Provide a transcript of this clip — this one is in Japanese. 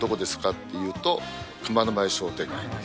って言うと、熊野前商店街って。